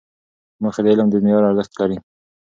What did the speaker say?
موخې د علم د معیار ارزښت لري.